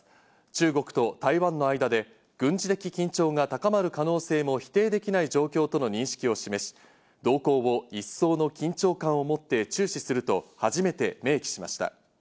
中国と台湾の間で軍事的緊張が高まる可能性も否定できない状況との認識を示し、動向を一層の緊張感をもって注視すると初めて明記しました。